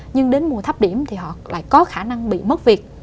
nhưng đến mùa thấp điểm thì họ lại có khả năng bị mất việc